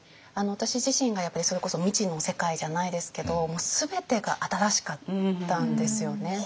私自身がやっぱりそれこそ未知の世界じゃないですけどもう全てが新しかったんですよね。